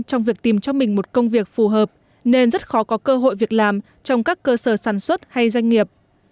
trong việc tìm cho mình một công việc phù hợp nên rất khó có cơ hội việc làm trong các cơ sở sản xuất hay doanh nghiệp